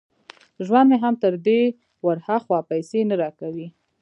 ژوند مې هم تر دې ور هاخوا پيسې نه را کوي.